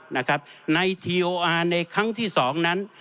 ในทีโออาร์ในครั้งที่สองนั้น